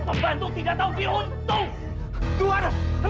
pembantu tidak tahu dihuntung dua dua